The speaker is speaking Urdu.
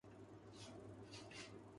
وہ تب آئی ایس آئی کے سربراہ تھے۔